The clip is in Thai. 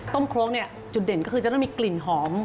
ต้มโครงจุดเด่นก็คือจะต้องมีกลิ่นหอม